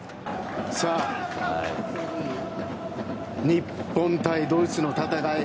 日本対ドイツの戦い。